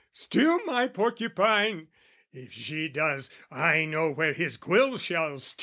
Stew my porcupine? If she does, I know where his quills shall stick!